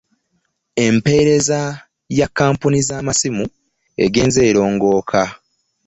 Empeereza ya kkampuni z'amasimu egenze erongooka.